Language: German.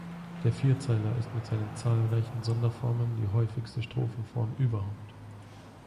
Der Vierzeiler ist mit seinen zahlreichen Sonderformen die häufigste Strophenform überhaupt.